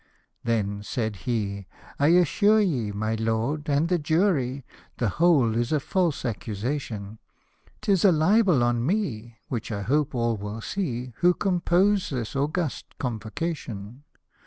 Then said he, " I assure ye, my lord and the jury, The whole is a false accusation ; 'Tis a libel on me, which I hope all will see Who compose this august convocation.